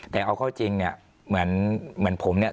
แต่เอาเข้าจริงเนี่ยเหมือนผมเนี่ย